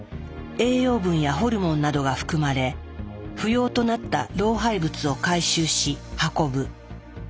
栄養分やホルモンなどが含まれ不要となった老廃物を回収し運ぶ。